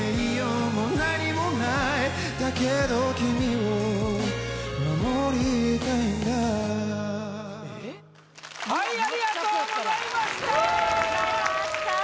はいありがとうございましたー！